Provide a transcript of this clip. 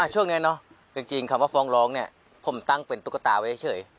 ช่วงนี้เนาะจริงคำว่าฟ้องร้องเนี่ยผมตั้งเป็นตุ๊กตาไว้เฉย